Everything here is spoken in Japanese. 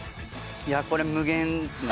いやこれ無限ですね。